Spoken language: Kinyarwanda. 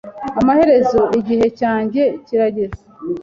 Amaherezo, igihe cyanjye kirageze.